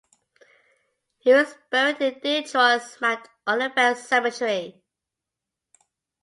He was buried in Detroit's Mount Olivet Cemetery.